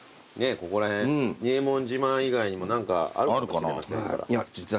ここら辺仁右衛門島以外にも何かあるかもしれませんから。